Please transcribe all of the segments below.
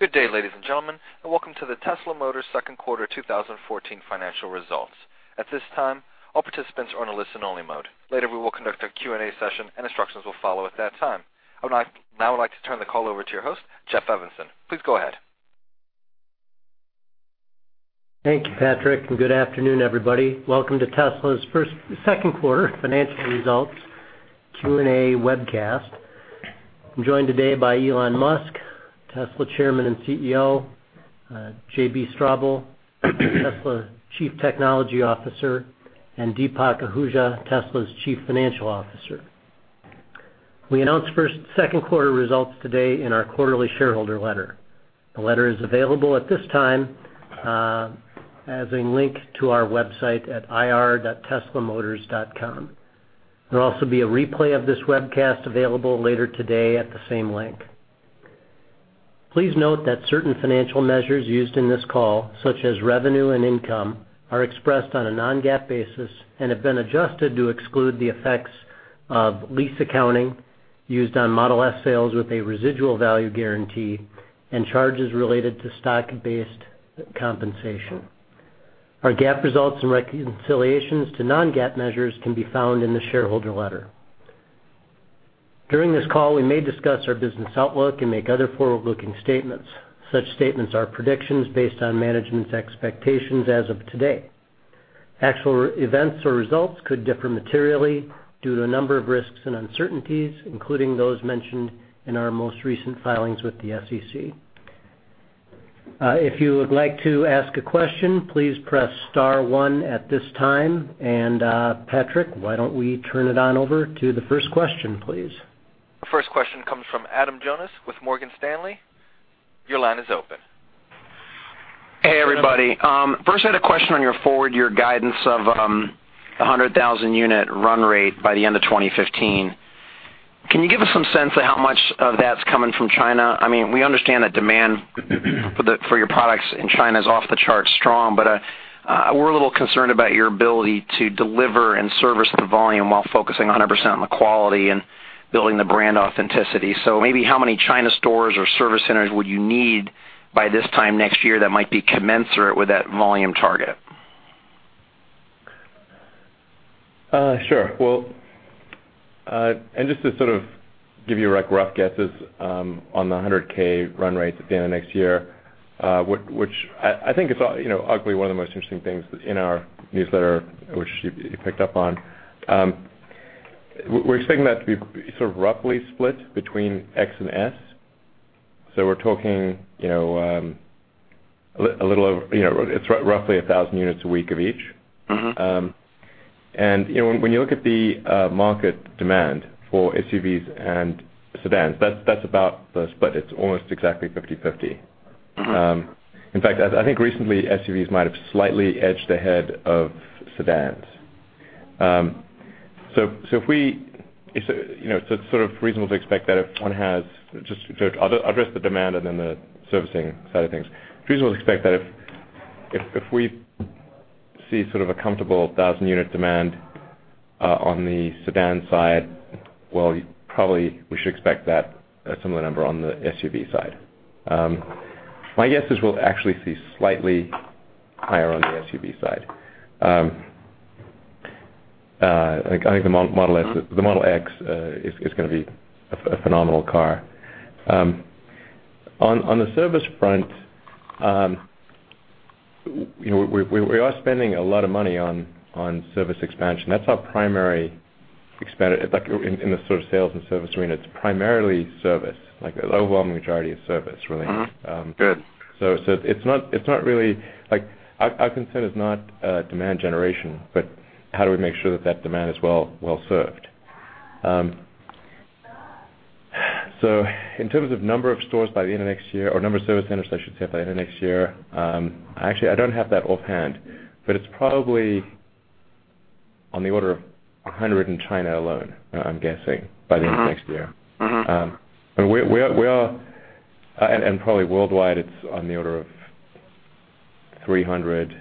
Good day, ladies and gentlemen, and welcome to the Tesla Motors Second Quarter 2014 financial results. At this time, all participants are in a listen-only mode. Later, we will conduct our Q&A session and instructions will follow at that time. Now I'd like to turn the call over to your host, Jeff Evanson. Please go ahead. Thank you, Patrick. Good afternoon, everybody. Welcome to Tesla's second quarter financial results Q&A webcast. I'm joined today by Elon Musk, Tesla Chairman and CEO, JB Straubel, Tesla Chief Technology Officer, and Deepak Ahuja, Tesla's Chief Financial Officer. We announce second quarter results today in our quarterly shareholder letter. The letter is available at this time as a link to our website at ir.tesla.com. There will also be a replay of this webcast available later today at the same link. Please note that certain financial measures used in this call, such as revenue and income, are expressed on a non-GAAP basis and have been adjusted to exclude the effects of lease accounting used on Model S sales with a residual value guarantee and charges related to stock-based compensation. Our GAAP results and reconciliations to non-GAAP measures can be found in the shareholder letter. During this call, we may discuss our business outlook and make other forward-looking statements. Such statements are predictions based on management's expectations as of today. Actual events or results could differ materially due to a number of risks and uncertainties, including those mentioned in our most recent filings with the SEC. If you would like to ask a question, please press star one at this time. Patrick, why don't we turn it on over to the first question, please? First question comes from Adam Jonas with Morgan Stanley. Your line is open. Hey, everybody. First I had a question on your forward-year guidance of 100,000 unit run rate by the end of 2015. Can you give us some sense of how much of that's coming from China? We understand that demand for your products in China is off the charts strong, but we're a little concerned about your ability to deliver and service the volume while focusing 100% on the quality and building the brand authenticity. Maybe how many China stores or service centers would you need by this time next year that might be commensurate with that volume target? Sure. Well, just to sort of give you rough guesses on the 100K run rates at the end of next year, which I think is arguably one of the most interesting things in our newsletter, which you picked up on. We're expecting that to be sort of roughly split between X and S. We're talking, it's roughly 1,000 units a week of each. When you look at the market demand for SUVs and sedans, that's about the split. It's almost exactly 50/50. In fact, I think recently, SUVs might have slightly edged ahead of sedans. It's reasonable to expect that I'll address the demand and then the servicing side of things. It's reasonable to expect that if we see a comfortable 1,000 unit demand on the sedan side, well, probably we should expect that similar number on the SUV side. My guess is we'll actually see slightly higher on the SUV side. I think the Model X is going to be a phenomenal car. On the service front, we are spending a lot of money on service expansion. That's our primary expenditure, in the sort of sales and service arena, it's primarily service. An overwhelming majority is service-related. Mm-hmm. Good. It's not really— Our concern is not demand generation, but how do we make sure that that demand is well served? In terms of number of stores by the end of next year, or number of service centers, I should say, by the end of next year, actually, I don't have that offhand, but it's probably on the order of 100 in China alone, I'm guessing, by the end of next year. Probably worldwide, it's on the order of 300.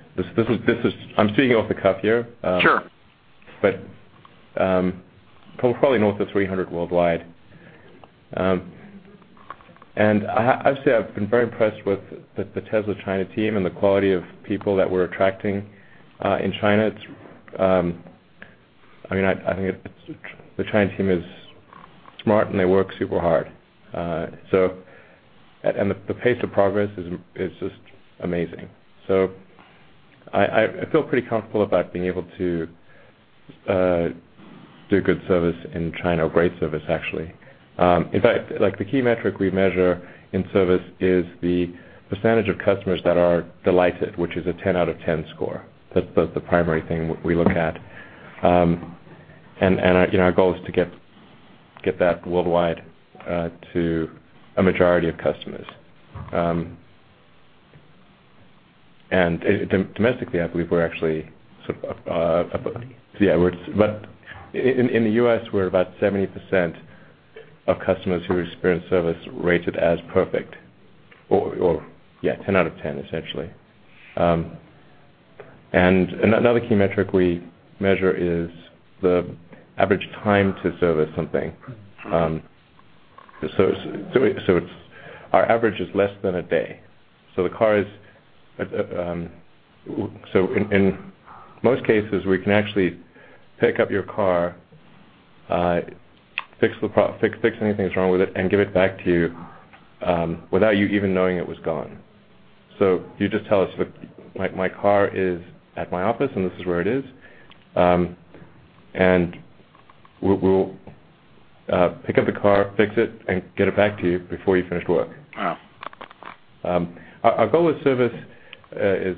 I'm speaking off the cuff here. Sure. Probably north of 300 worldwide. I have to say, I've been very impressed with the Tesla China team and the quality of people that we're attracting in China. I think the China team is smart, and they work super hard. The pace of progress is just amazing. I feel pretty comfortable about being able to do good service in China, or great service, actually. In fact, the key metric we measure in service is the percentage of customers that are delighted, which is a 10 out of 10 score. That's the primary thing we look at. Domestically, I believe we're actually— In the U.S., we're about 70% of customers who experience service rate it as perfect, or yeah, 10 out of 10, essentially. Another key metric we measure is the average time to service something. Our average is less than a day. In most cases, we can actually pick up your car, fix anything that's wrong with it and give it back to you without you even knowing it was gone. You just tell us, "Look, my car is at my office, and this is where it is," and we'll pick up the car, fix it, and get it back to you before you finish work. Wow. Our goal with service is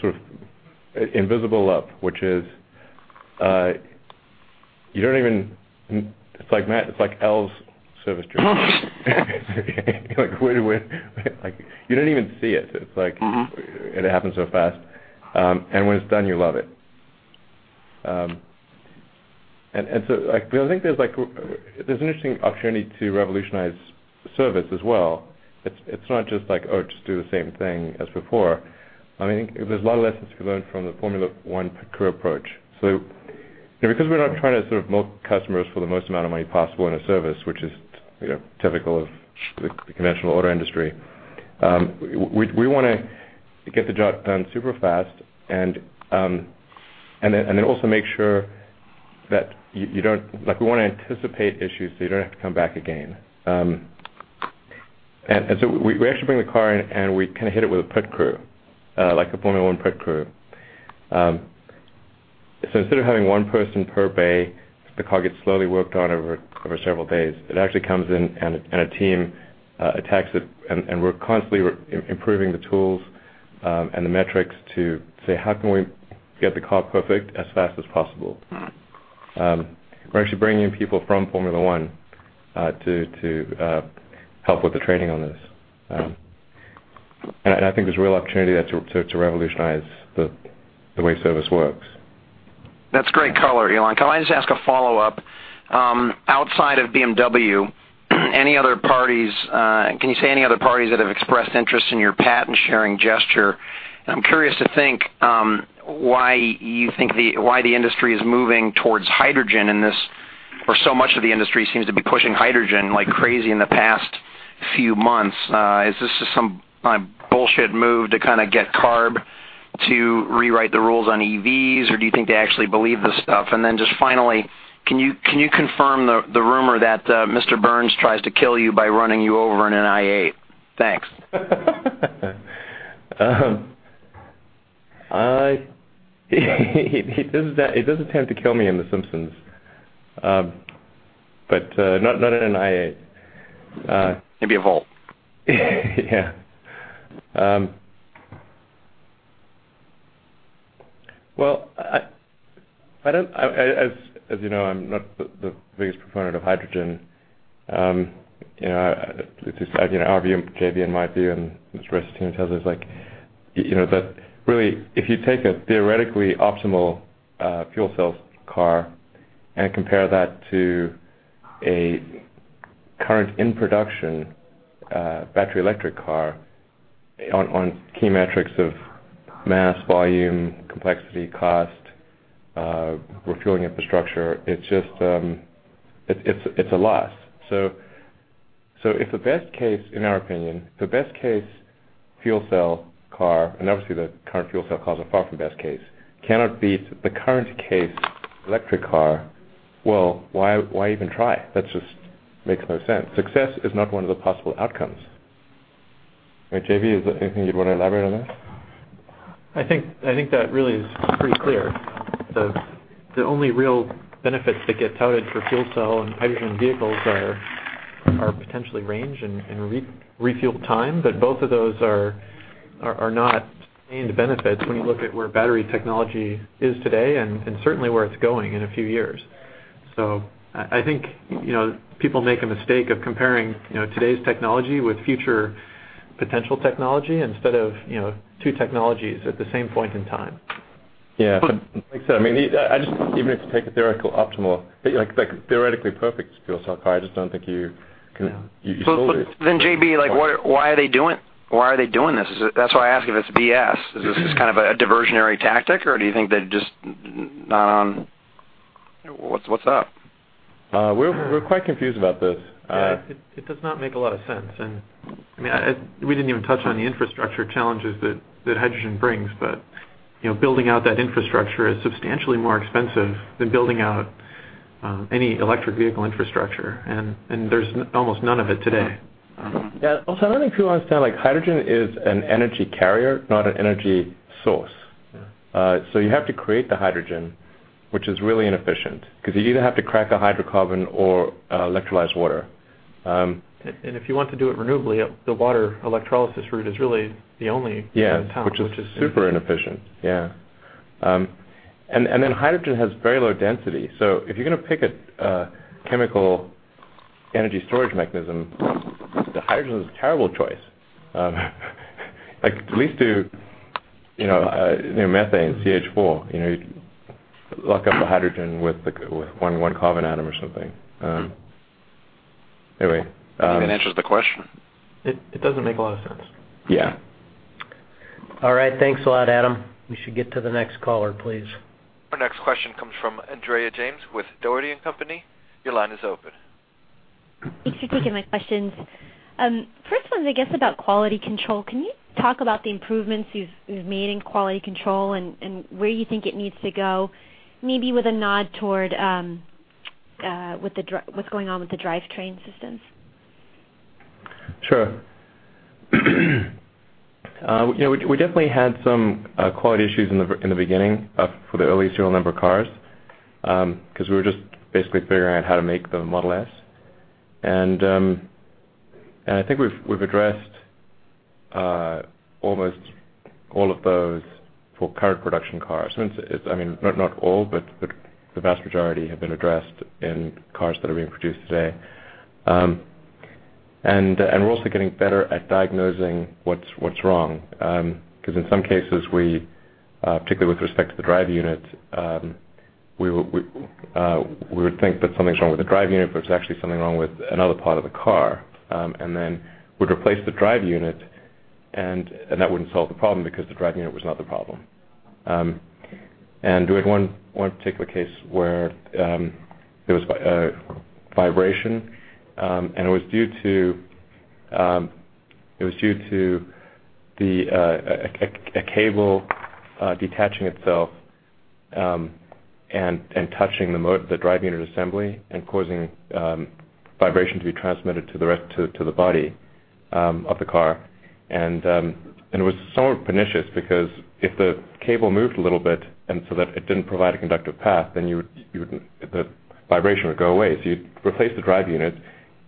sort of invisible up, which is, it's like magic, it's like El's service journey. You don't even see it. It happens so fast. When it's done, you love it. I think there's an interesting opportunity to revolutionize service as well. It's not just like, oh, just do the same thing as before. There's a lot of lessons to be learned from the Formula One pit crew approach. Because we're not trying to serve most customers for the most amount of money possible in a service, which is typical of the conventional auto industry, we want to get the job done super fast and then also make sure that we want to anticipate issues so you don't have to come back again. We actually bring the car in, and we kind of hit it with a pit crew, like a Formula One pit crew. Instead of having one person per bay, the car gets slowly worked on over several days. It actually comes in and a team attacks it, and we're constantly improving the tools and the metrics to say, "How can we get the car perfect as fast as possible? We're actually bringing in people from Formula One to help with the training on this. I think there's a real opportunity there to revolutionize the way service works. That's great color, Elon. Can I just ask a follow-up? Outside of BMW, any other parties, can you say any other parties that have expressed interest in your patent-sharing gesture? I'm curious to think why you think the industry is moving towards hydrogen in this, or so much of the industry seems to be pushing hydrogen like crazy in the past few months. Is this just some bullshit move to kind of get CARB to rewrite the rules on EVs, or do you think they actually believe this stuff? Just finally, can you confirm the rumor that Mr. Burns tries to kill you by running you over in an i8? Thanks. He does attempt to kill me in "The Simpsons." Not in an i8. Maybe a Volt. Well, as you know, I'm not the biggest proponent of hydrogen. Our view, JB and my view, and the rest of the team at Tesla is that really, if you take a theoretically optimal fuel cell car and compare that to a current in-production battery electric car on key metrics of mass, volume, complexity, cost, refueling infrastructure, it's a loss. If the best case, in our opinion, the best case fuel cell car, and obviously the current fuel cell cars are far from best case, cannot beat the current case electric car, well, why even try? That just makes no sense. Success is not one of the possible outcomes. Right, JB, anything you'd want to elaborate on that? I think that really is pretty clear. The only real benefits that get touted for fuel cell and hydrogen vehicles are potentially range and refuel time, both of those are not sustained benefits when you look at where battery technology is today and certainly where it's going in a few years. I think people make a mistake of comparing today's technology with future potential technology instead of two technologies at the same point in time. Like I said, even if you take a theoretical optimal, theoretically perfect fuel cell car, I just don't think you still do. JB, why are they doing this? That's why I ask if it's BS. Is this just kind of a diversionary tactic, or do you think they're just not on What's up? We're quite confused about this. Yeah. It does not make a lot of sense. We didn't even touch on the infrastructure challenges that hydrogen brings, but building out that infrastructure is substantially more expensive than building out any electric vehicle infrastructure, and there's almost none of it today. Yeah. Also, I don't think people understand, hydrogen is an energy carrier, not an energy source. Yeah. You have to create the hydrogen, which is really inefficient because you either have to crack a hydrocarbon or electrolyze water. If you want to do it renewably, the water electrolysis route is really the only path. Yeah, which is super inefficient. Yeah. Hydrogen has very low density. If you're going to pick a chemical energy storage mechanism, hydrogen's a terrible choice. At least do methane, CH4. Lock up the hydrogen with one carbon atom or something. Anyway. That answers the question. It doesn't make a lot of sense. Yeah. All right. Thanks a lot, Adam. We should get to the next caller, please. Our next question comes from Andrea James with Dougherty & Company. Your line is open. Thanks for taking my questions. First one's, I guess, about quality control. Can you talk about the improvements you've made in quality control and where you think it needs to go, maybe with a nod toward what's going on with the drivetrain systems? Sure. We definitely had some quality issues in the beginning for the early serial number cars, because we were just basically figuring out how to make the Model S. I think we've addressed almost all of those for current production cars. Not all, but the vast majority have been addressed in cars that are being produced today. We're also getting better at diagnosing what's wrong. Because in some cases, particularly with respect to the drive unit, we would think that something's wrong with the drive unit, but it's actually something wrong with another part of the car. Then we'd replace the drive unit, and that wouldn't solve the problem because the drive unit was not the problem. We had one particular case where there was a vibration. It was due to a cable detaching itself, touching the drive unit assembly and causing vibration to be transmitted to the body of the car. It was somewhat pernicious because if the cable moved a little bit, that it didn't provide a conductive path, then the vibration would go away. You'd replace the drive unit,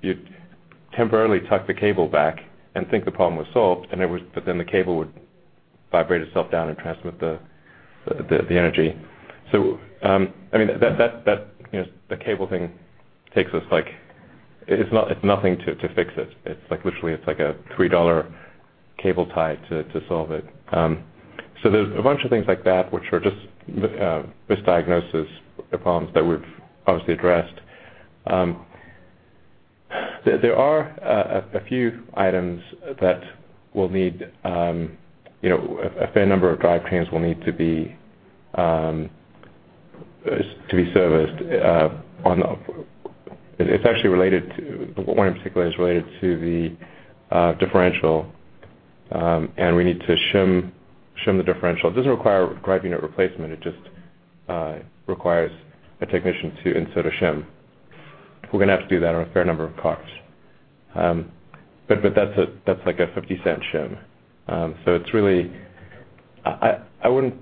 you'd temporarily tuck the cable back and think the problem was solved, the cable would vibrate itself down and transmit the energy. The cable thing takes us like It's nothing to fix it. Literally it's like a $3 cable tie to solve it. There's a bunch of things like that, which are just misdiagnosis of problems that we've obviously addressed. There are a few items that a fair number of drivetrains will need to be serviced. One in particular is related to the differential. We need to shim the differential. It doesn't require a drive unit replacement. It just requires a technician to insert a shim. We're going to have to do that on a fair number of cars. That's like a $0.50 shim. I wouldn't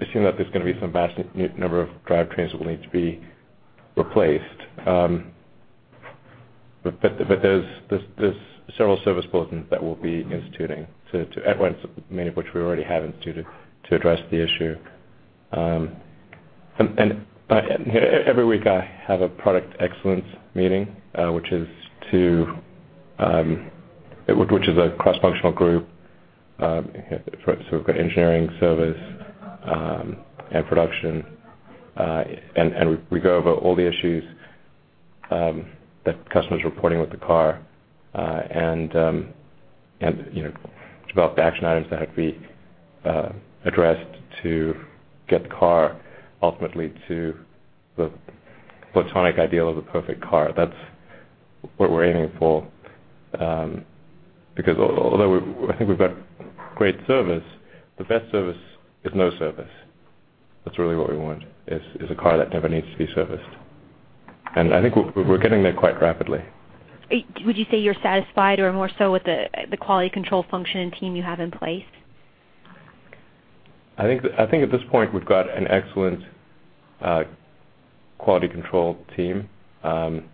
assume that there's going to be some vast number of drivetrains that will need to be replaced. There's several service bulletins that we'll be instituting, many of which we already have instituted to address the issue. Every week, I have a product excellence meeting, which is a cross-functional group. We've got engineering, service, production, we go over all the issues that customers are reporting with the car, develop action items that have to be addressed to get the car ultimately to the platonic ideal of the perfect car. That's what we're aiming for. Although I think we've got great service, the best service is no service. That's really what we want, is a car that never needs to be serviced. I think we're getting there quite rapidly. Would you say you're satisfied or more so with the quality control function and team you have in place? We've got an excellent quality control team. We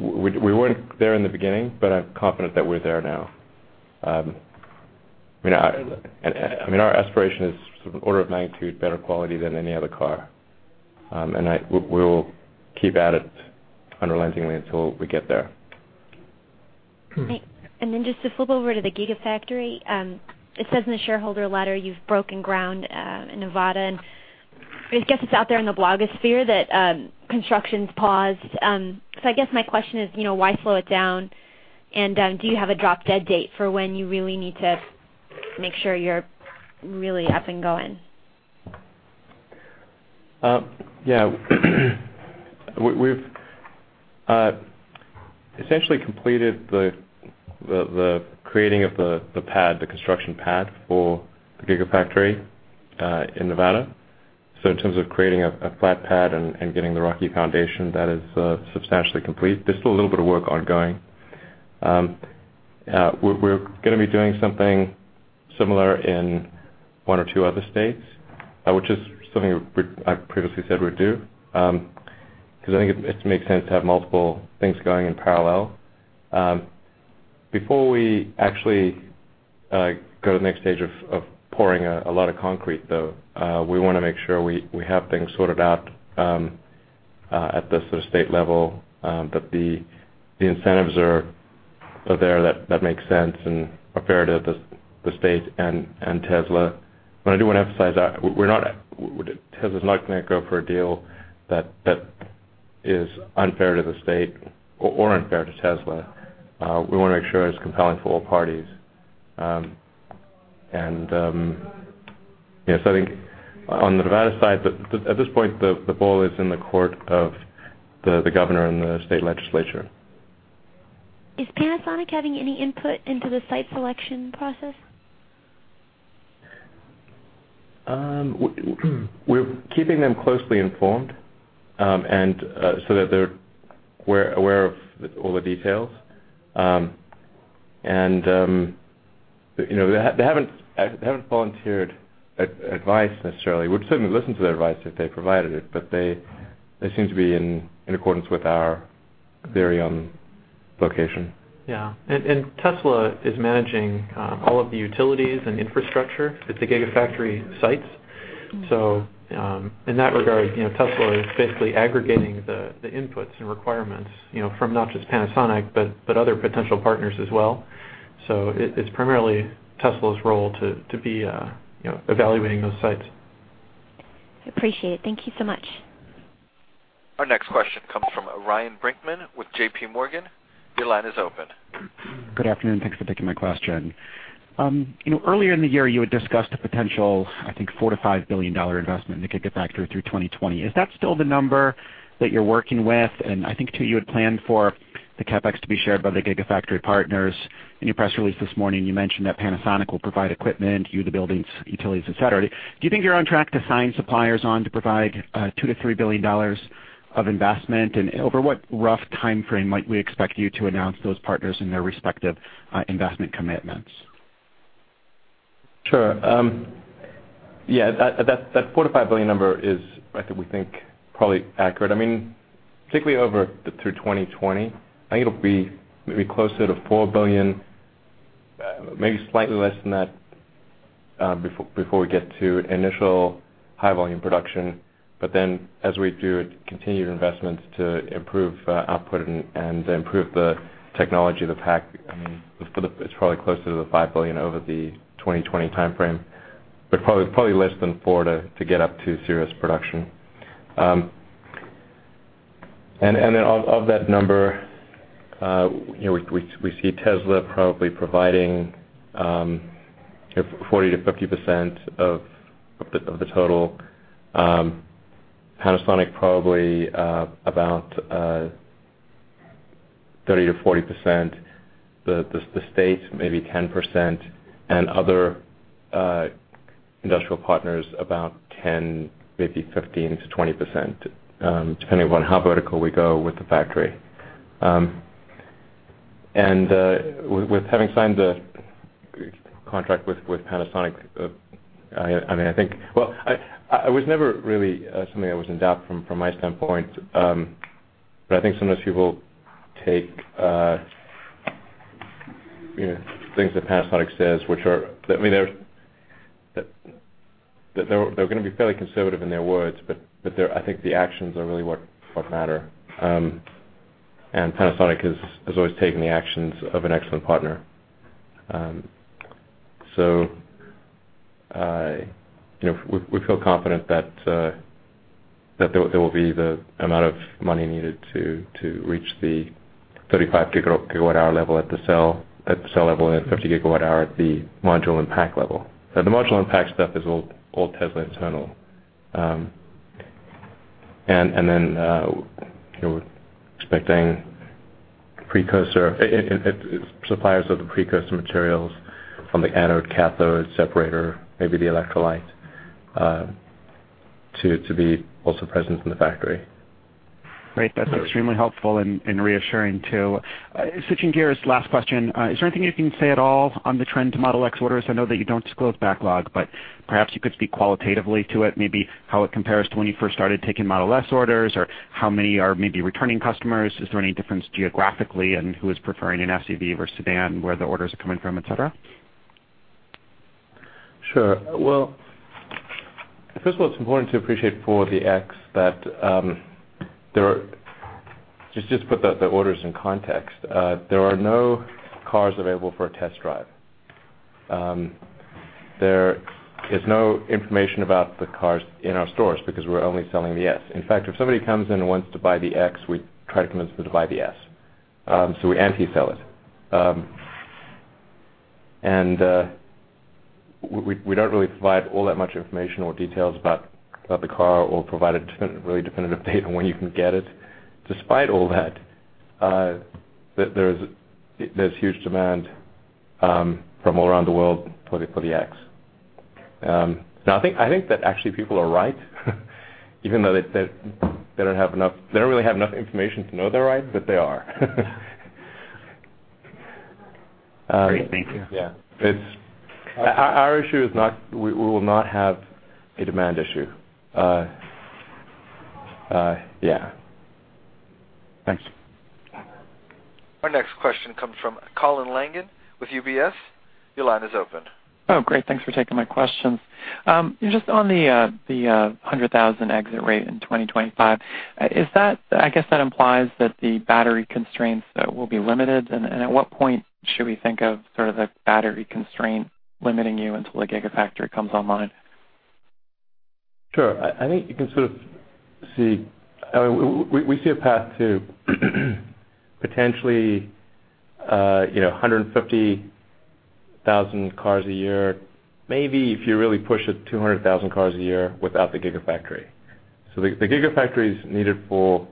weren't there in the beginning, but I'm confident that we're there now. Our aspiration is sort of an order of magnitude better quality than any other car. We will keep at it unrelentingly until we get there. Just to flip over to the Gigafactory, it says in the shareholder letter you've broken ground in Nevada, I guess it's out there in the blogosphere that construction's paused. I guess my question is, why slow it down? Do you have a drop-dead date for when you really need to make sure you're really up and going? Yeah. We've essentially completed the creating of the pad, the construction pad for the Gigafactory in Nevada. In terms of creating a flat pad and getting the rocky foundation, that is substantially complete. There's still a little bit of work ongoing. We're going to be doing something similar in one or two other states, which is something I previously said we'd do, because I think it makes sense to have multiple things going in parallel. Before we actually go to the next stage of pouring a lot of concrete, though, we want to make sure we have things sorted out at the sort of state level, the incentives are there that make sense and are fair to the state and Tesla. I do want to emphasize, Tesla is not going to go for a deal that is unfair to the state or unfair to Tesla. We want to make sure it's compelling for all parties. I think on the Nevada side, at this point, the ball is in the court of the governor and the state legislature. Is Panasonic having any input into the site selection process? We're keeping them closely informed, so that they're aware of all the details. They haven't volunteered advice necessarily. We'd certainly listen to their advice if they provided it, but they seem to be in accordance with our very own location. Yeah. Tesla is managing all of the utilities and infrastructure at the Gigafactory sites. In that regard, Tesla is basically aggregating the inputs and requirements from not just Panasonic, but other potential partners as well. It's primarily Tesla's role to be evaluating those sites. Appreciate it. Thank you so much. Our next question comes from Ryan Brinkman with JPMorgan. Your line is open. Good afternoon. Thanks for taking my question. Earlier in the year, you had discussed a potential, I think, $4 billion-$5 billion investment in the Gigafactory through 2020. Is that still the number that you're working with? I think, too, you had planned for the CapEx to be shared by the Gigafactory partners. In your press release this morning, you mentioned that Panasonic will provide equipment, you the buildings, utilities, et cetera. Do you think you're on track to sign suppliers on to provide $2 billion-$3 billion of investment? Over what rough timeframe might we expect you to announce those partners and their respective investment commitments? Sure. That $4 billion-$5 billion number is, I think, we think probably accurate. Particularly through 2020, I think it'll be maybe closer to $4 billion, maybe slightly less than that, before we get to initial high-volume production. As we do continued investments to improve output and improve the technology, the pack, it's probably closer to the $5 billion over the 2020 timeframe, but probably less than four to get up to serious production. Of that number, we see Tesla probably providing 40%-50% of the total. Panasonic probably about 30%-40%, the state maybe 10%, and other industrial partners about 10%, maybe 15%-20%, depending on how vertical we go with the factory. With having signed the contract with Panasonic, I think, well, it was never really something that was in doubt from my standpoint. I think sometimes people take things that Panasonic says. They're going to be fairly conservative in their words, but I think the actions are really what matter. Panasonic has always taken the actions of an excellent partner. We feel confident that there will be the amount of money needed to reach the 35-gigawatt-hour level at the cell level and 50-gigawatt-hour at the module and pack level. The module and pack stuff is all Tesla internal. We're expecting suppliers of the precursor materials from the anode, cathode, separator, maybe the electrolyte, to be also present in the factory. Great. That's extremely helpful and reassuring, too. Switching gears, last question. Is there anything you can say at all on the trend to Model X orders? I know that you don't disclose backlog, but perhaps you could speak qualitatively to it, maybe how it compares to when you first started taking Model S orders, or how many are maybe returning customers? Is there any difference geographically, and who is preferring an SUV versus sedan, where the orders are coming from, et cetera? Sure. Well, first of all, it's important to appreciate for the X that, just to put the orders in context, there are no cars available for a test drive. There is no information about the cars in our stores because we're only selling the S. In fact, if somebody comes in and wants to buy the X, we try to convince them to buy the S. We anti-sell it. We don't really provide all that much information or details about the car or provide a really definitive date on when you can get it. Despite all that, there's huge demand from all around the world for the X. I think that actually people are right even though they don't really have enough information to know they're right, but they are. Great. Thank you. Yeah. Our issue is we will not have a demand issue. Yeah. Thanks. Our next question comes from Colin Langan with UBS. Your line is open. Oh, great, thanks for taking my questions. Just on the 100,000 exit rate in 2025, I guess that implies that the battery constraints will be limited. At what point should we think of the battery constraint limiting you until the Gigafactory comes online? Sure. We see a path to potentially 150,000 cars a year, maybe if you really push it, 200,000 cars a year without the Gigafactory. The Gigafactory is needed for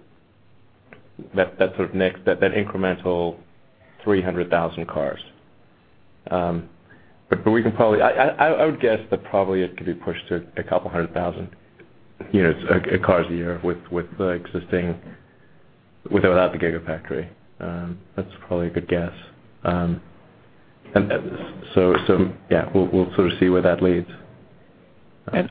that incremental 300,000 cars. I would guess that probably it could be pushed to a couple hundred thousand cars a year without the Gigafactory. That's probably a good guess. Yeah, we'll sort of see where that leads.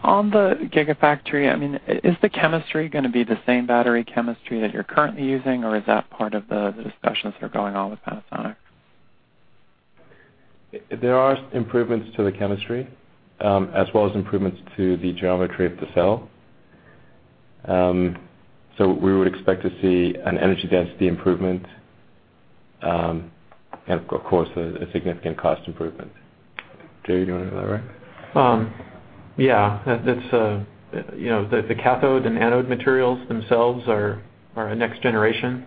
On the Gigafactory, is the chemistry going to be the same battery chemistry that you're currently using, or is that part of the discussions that are going on with Panasonic? There are improvements to the chemistry, as well as improvements to the geometry of the cell. We would expect to see an energy density improvement, and of course, a significant cost improvement. JB, do you want to go that way? Yeah. The cathode and anode materials themselves are next generation.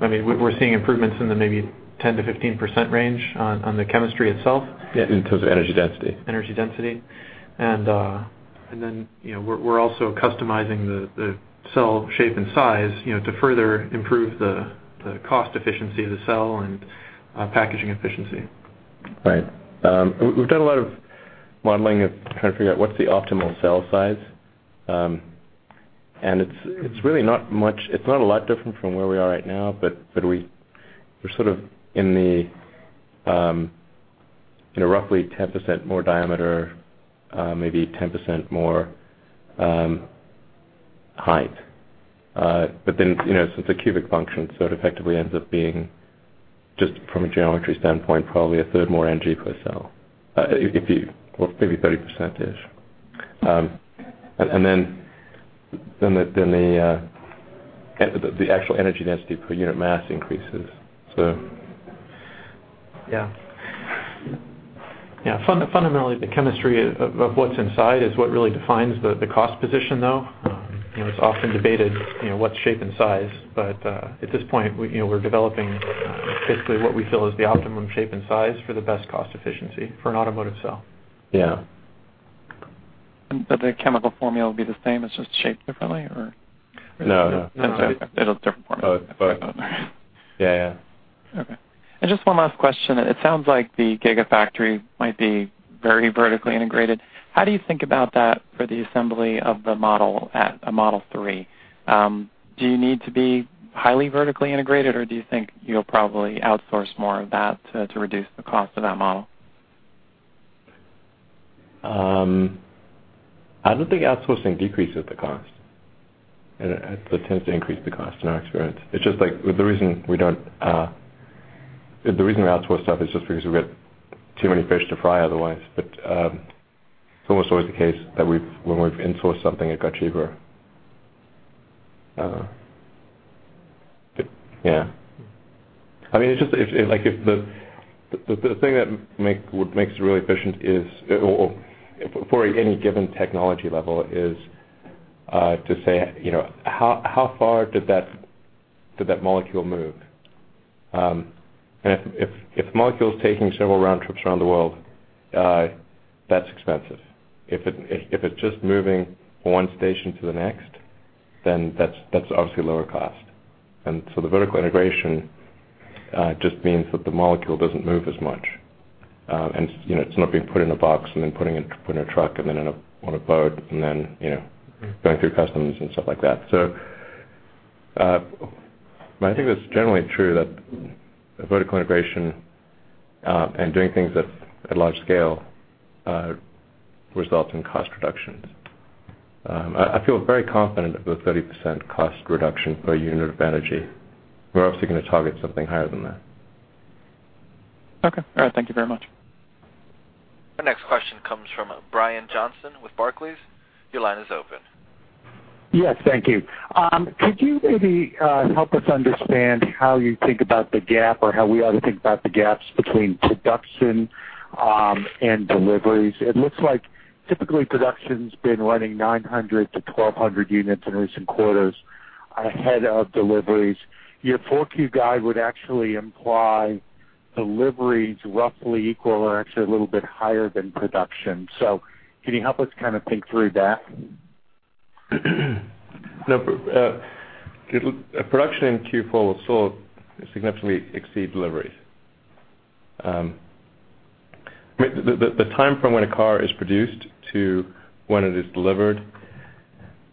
We're seeing improvements in the maybe 10%-15% range on the chemistry itself. Yeah, in terms of energy density. Energy density. We're also customizing the cell shape and size to further improve the cost efficiency of the cell and packaging efficiency. Right. We've done a lot of modeling of trying to figure out what's the optimal cell size. It's really not a lot different from where we are right now, but we're sort of in a roughly 10% more diameter, maybe 10% more height. Since it's a cubic function, it effectively ends up being, just from a geometry standpoint, probably a third more energy per cell. Well, maybe 30%-ish. The actual energy density per unit mass increases. Yeah. Fundamentally, the chemistry of what's inside is what really defines the cost position, though. It's often debated what's shape and size. At this point, we're developing basically what we feel is the optimum shape and size for the best cost efficiency for an automotive cell. Yeah. The chemical formula would be the same, it's just shaped differently, or? No. It's a different formula. Yeah. Okay. Just one last question. It sounds like the Gigafactory might be very vertically integrated. How do you think about that for the assembly of a Model 3? Do you need to be highly vertically integrated, or do you think you'll probably outsource more of that to reduce the cost of that model? I don't think outsourcing decreases the cost. It tends to increase the cost, in our experience. The reason we outsource stuff is just because we've got too many fish to fry otherwise. It's almost always the case that when we've insourced something, it got cheaper. Yeah. The thing that makes it really efficient for any given technology level is to say, how far did that molecule move? If the molecule's taking several round trips around the world, that's expensive. If it's just moving from one station to the next, then that's obviously lower cost. The vertical integration just means that the molecule doesn't move as much. It's not being put in a box and then put in a truck and then on a boat and then going through customs and stuff like that. I think that's generally true, that vertical integration and doing things at large scale results in cost reductions. I feel very confident about a 30% cost reduction per unit of energy. We're obviously going to target something higher than that. Okay. All right, thank you very much. Our next question comes from Brian Johnson with Barclays. Your line is open. Yes, thank you. Could you maybe help us understand how you think about the gap or how we ought to think about the gaps between production and deliveries? It looks like typically production's been running 900-1,200 units in recent quarters ahead of deliveries. Your 4Q guide would actually imply deliveries roughly equal or actually a little bit higher than production. Can you help us kind of think through that? No. Production in Q4 will significantly exceed deliveries. The time from when a car is produced to when it is delivered,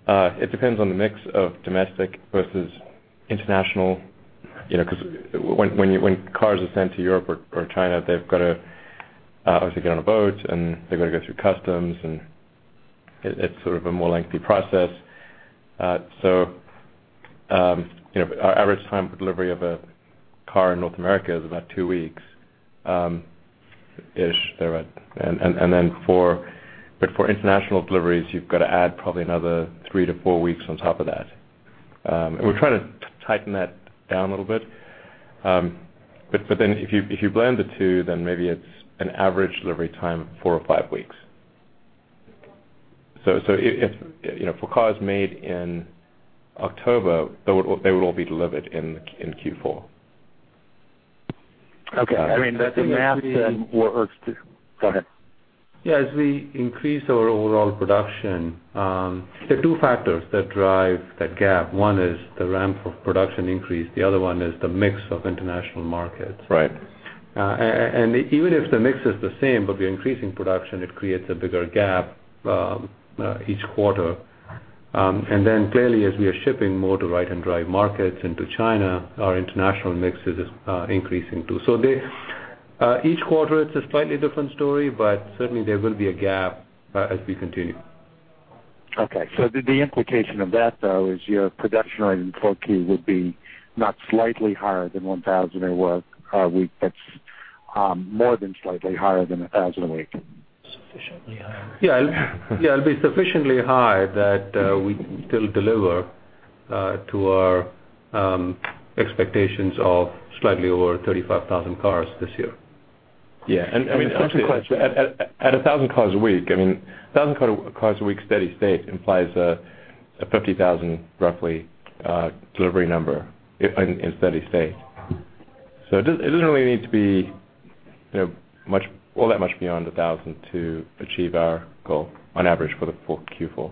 it depends on the mix of domestic versus international, because when cars are sent to Europe or China, they've got to obviously get on a boat, they've got to go through customs. It's sort of a more lengthy process. Our average time for delivery of a car in North America is about two weeks-ish there. For international deliveries, you've got to add probably another three to four weeks on top of that. We're trying to tighten that down a little bit. If you blend the two, then maybe it's an average delivery time of four or five weeks. For cars made in October, they would all be delivered in Q4. Okay. I think that's been what hurts too. Go ahead. As we increase our overall production, there are two factors that drive that gap. One is the ramp of production increase, the other one is the mix of international markets. Right. Even if the mix is the same, but we're increasing production, it creates a bigger gap each quarter. Clearly, as we are shipping more to right-hand drive markets into China, our international mix is increasing, too. Each quarter, it's a slightly different story, but certainly there will be a gap as we continue. Okay. The implication of that, though, is your production rate in 4Q would be not slightly higher than 1,000 a week, but more than slightly higher than 1,000 a week. Sufficiently higher. Yeah. It'll be sufficiently high that we can still deliver to our expectations of slightly over 35,000 cars this year. Yeah. At 1,000 cars a week, steady state implies a 50,000, roughly, delivery number in steady state. It doesn't really need to be all that much beyond 1,000 to achieve our goal on average for the Q4.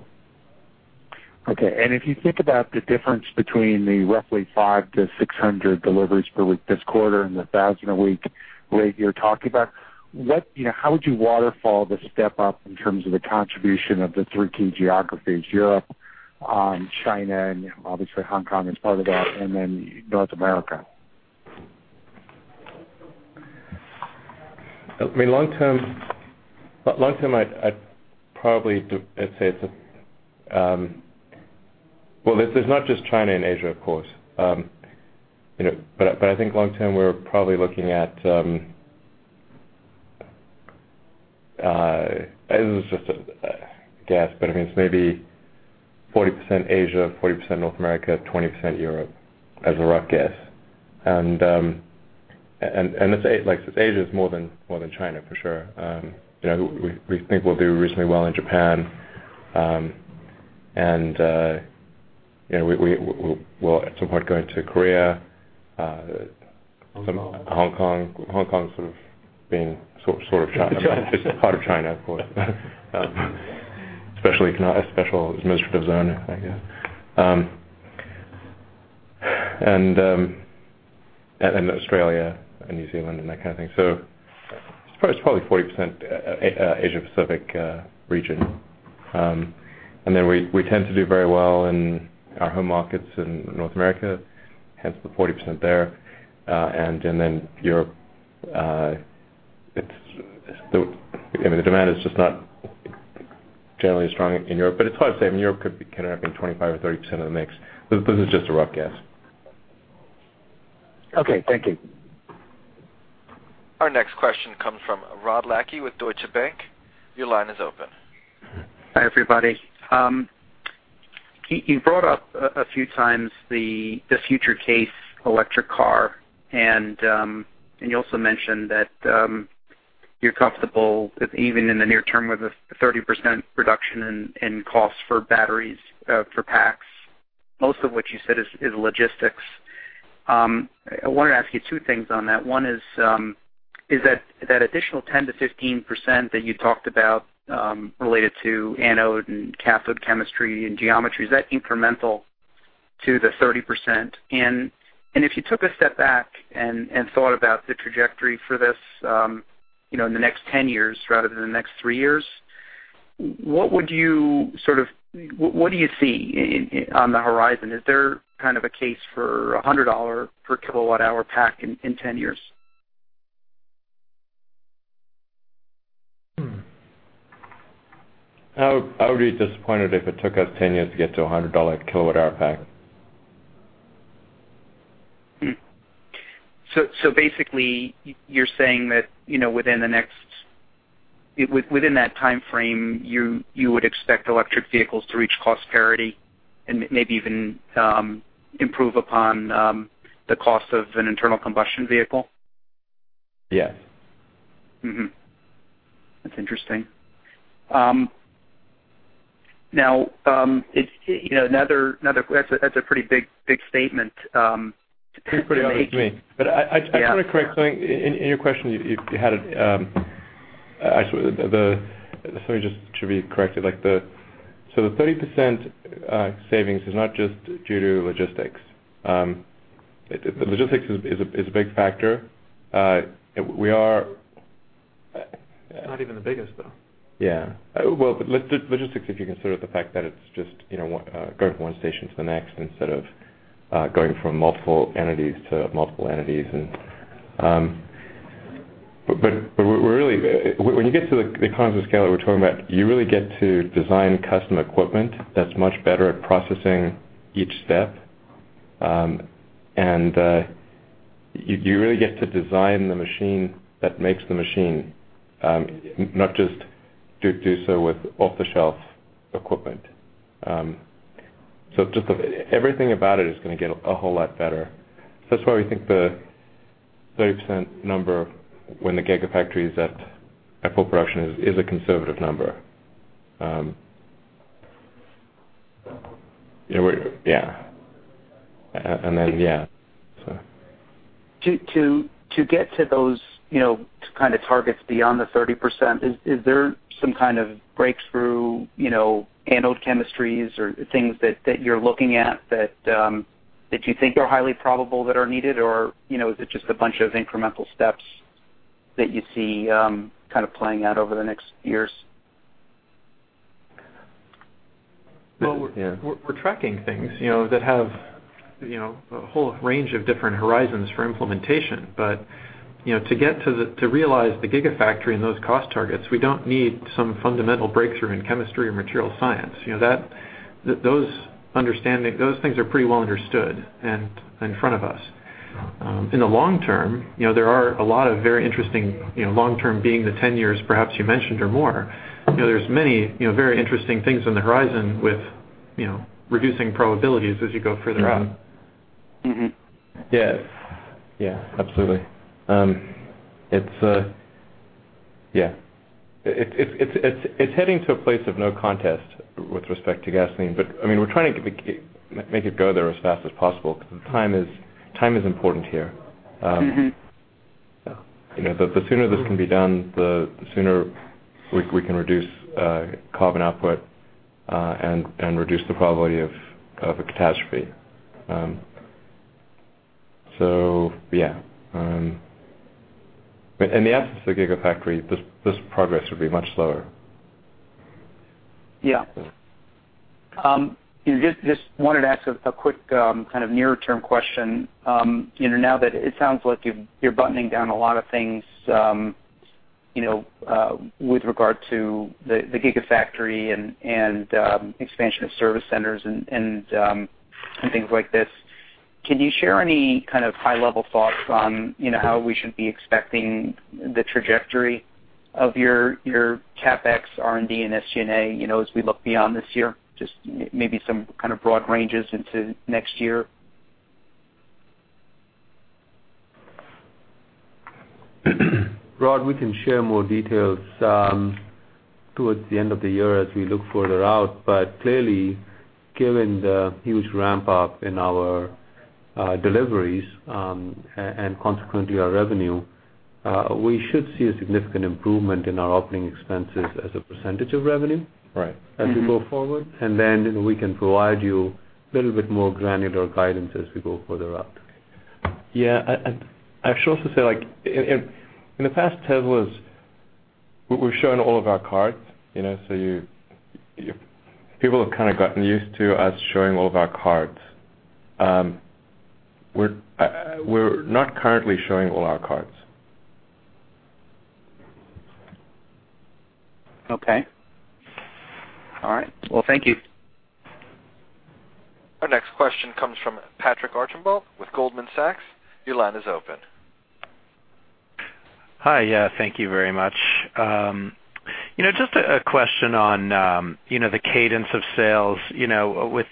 Okay. If you think about the difference between the roughly five to 600 deliveries per week this quarter and the 1,000 a week rate you're talking about, how would you waterfall the step up in terms of the contribution of the three key geographies, Europe, China, and obviously Hong Kong as part of that, and then North America? Long term, I'd say it's a-- Well, this is not just China and Asia, of course. I think long term, we're probably looking at, and this is just a guess, but it's maybe 40% Asia, 40% North America, 20% Europe, as a rough guess. Asia is more than China, for sure. We think we'll do reasonably well in Japan, and we'll at some point go into Korea. Hong Kong. Hong Kong being sort of China. It's part of China, of course. A special administrative zone, I guess. Australia and New Zealand and that kind of thing. It's probably 40% Asia Pacific region. We tend to do very well in our home markets in North America, hence the 40% there. Europe, the demand is just not generally as strong in Europe. It's hard to say. I mean, Europe could end up being 25% or 30% of the mix. This is just a rough guess. Okay, thank you. Our next question comes from Rod Lache with Deutsche Bank. Your line is open. Hi, everybody. You brought up a few times the future case electric car, and you also mentioned that you're comfortable even in the near term with a 30% reduction in cost for batteries for packs. Most of what you said is logistics. I wanted to ask you two things on that. One is that additional 10%-15% that you talked about related to anode and cathode chemistry and geometry, is that incremental to the 30%? If you took a step back and thought about the trajectory for this in the next 10 years rather than the next three years, what do you see on the horizon? Is there a case for $100 per kilowatt-hour pack in 10 years? I would be disappointed if it took us 10 years to get to a $100 kilowatt-hour pack. Basically, you're saying that within that time frame, you would expect electric vehicles to reach cost parity and maybe even improve upon the cost of an internal combustion vehicle? Yeah. Mm-hmm. That's interesting. Now, that's a pretty big statement to make. Pretty big statement to me. I just want to correct something. In your question, something should be corrected. The 30% savings is not just due to logistics. The logistics is a big factor. We are- Not even the biggest, though. Yeah. Logistics, if you consider the fact that it's just going from one station to the next instead of going from multiple entities to multiple entities and- When you get to the economies of scale that we're talking about, you really get to design custom equipment that's much better at processing each step. You really get to design the machine that makes the machine, not just do so with off-the-shelf equipment. Just everything about it is going to get a whole lot better. That's why we think the 30% number when the Gigafactory is at full production is a conservative number. Yeah. Then, yeah. To get to those kind of targets beyond the 30%, is there some kind of breakthrough anode chemistries or things that you're looking at that you think are highly probable that are needed, or is it just a bunch of incremental steps that you see kind of playing out over the next years? We're tracking things that have a whole range of different horizons for implementation. To realize the Gigafactory and those cost targets, we don't need some fundamental breakthrough in chemistry or material science. Those things are pretty well understood and in front of us. In the long term, there are a lot of very interesting, long term being the 10 years perhaps you mentioned or more. There's many very interesting things on the horizon with reducing probabilities as you go further out. Absolutely. It's heading to a place of no contest with respect to gasoline, we're trying to make it go there as fast as possible because time is important here. The sooner this can be done, the sooner we can reduce carbon output and reduce the probability of a catastrophe. Yeah. In the absence of the Gigafactory, this progress would be much slower. Just wanted to ask a quick kind of nearer term question. Now that it sounds like you're buttoning down a lot of things with regard to the Gigafactory and expansion of service centers and things like this, can you share any kind of high level thoughts on how we should be expecting the trajectory of your CapEx, R&D, and SG&A as we look beyond this year? Just maybe some kind of broad ranges into next year. Rod, we can share more details towards the end of the year as we look further out. Clearly, given the huge ramp up in our deliveries and consequently our revenue, we should see a significant improvement in our operating expenses as a percentage of revenue- Right. -as we go forward. We can provide you a little bit more granular guidance as we go further out. Yeah. I should also say, in the past, Tesla, we've shown all of our cards. People have kind of gotten used to us showing all of our cards. We're not currently showing all our cards. Okay. All right. Well, thank you. Our next question comes from Patrick Archambault with Goldman Sachs. Your line is open. Hi. Yeah, thank you very much. Just a question on the cadence of sales. With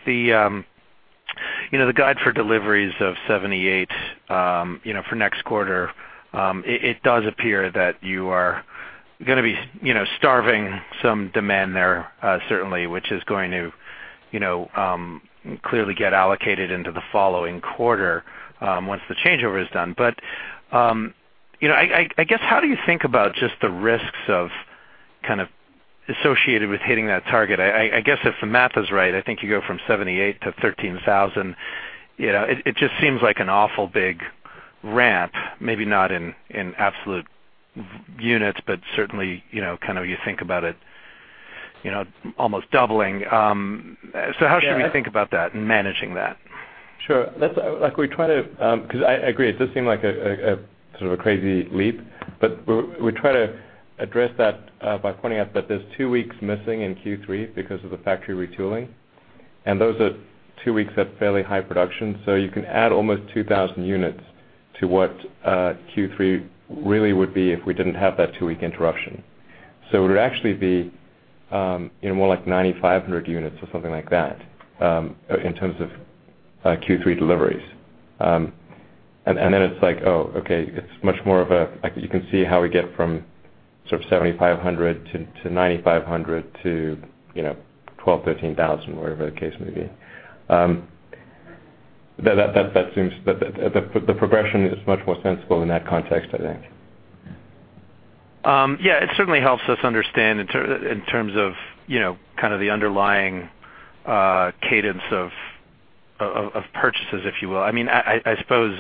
the guide for deliveries of 78 for next quarter, it does appear that you are going to be starving some demand there certainly, which is going to clearly get allocated into the following quarter once the changeover is done. I guess, how do you think about just the risks of kind of associated with hitting that target? I guess if the math is right, I think you go from 78 to 13,000. It just seems like an awful big ramp. Maybe not in absolute units, but certainly, kind of you think about it almost doubling. How should we think about that and managing that? Sure. I agree. It does seem like a sort of a crazy leap, we try to address that by pointing out that there's two weeks missing in Q3 because of the factory retooling, and those are two weeks at fairly high production. You can add almost 2,000 units to what Q3 really would be if we didn't have that two-week interruption. It would actually be more like 9,500 units or something like that in terms of Q3 deliveries. Then it's like, oh, okay, it's much more of. You can see how we get from sort of 7,500 to 9,500 to 12,000, 13,000, whatever the case may be. The progression is much more sensible in that context, I think. Yeah. It certainly helps us understand in terms of kind of the underlying cadence of purchases, if you will. I suppose,